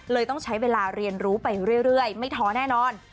ต้องใช้เวลาเรียนรู้ไปเรื่อยไม่ท้อแน่นอน